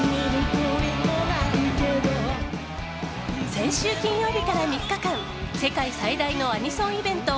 先週金曜日から３日間世界最大のアニソンイベント